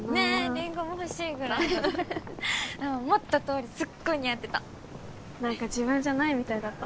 りんごも欲しいぐらい思ったとおりすっごい似合ってた何か自分じゃないみたいだった